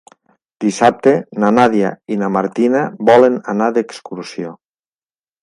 Dissabte na Nàdia i na Martina volen anar d'excursió.